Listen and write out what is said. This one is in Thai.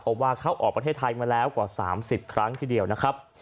เพราะว่าเข้าออกประเทศไทยมาแล้วกว่า๓๐ครั้งทีเดียวนะครับ